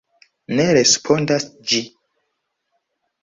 Ne respondas ĝi.